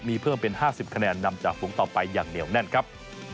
มีเพิ่มเป็น๕๐คะแนนนำจากฝูงต่อไปอย่างเหนียวแน่นครับ